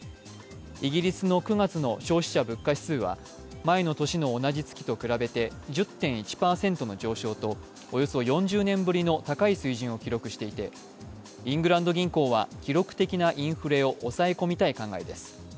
イギリスの９月の消費者物価指数は前の年の同じ月と比べて１０．％の上昇とおよそ４０年ぶりの高い水準を記録していてイングランド銀行は記録的なインフレを抑え込みたい考えです。